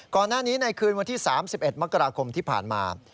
ก่อนหน้านี้ในคืนวันที่๓๑มกราคมที่ผ่านมา